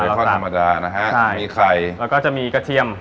ทอดธรรมดานะฮะใช่มีไข่แล้วก็จะมีกระเทียม